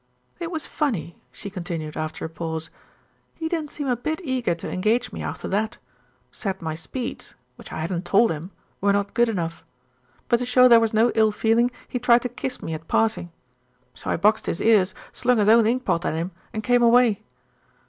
"It was funny," she continued after a pause. "He didn't seem a bit eager to engage me after that. Said my speeds (which I hadn't told him) were not good enough; but to show there was no ill feeling he tried to kiss me at parting. So I boxed his ears, slung his own inkpot at him and came away.